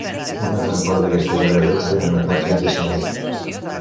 Una gran part d'aquestes agressions eren atacs antisemites.